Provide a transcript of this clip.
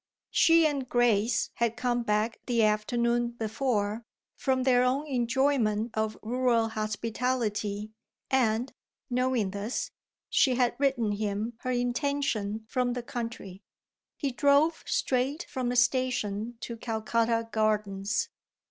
She and Grace had come back the afternoon before from their own enjoyment of rural hospitality, and, knowing this she had written him her intention from the country he drove straight from the station to Calcutta Gardens.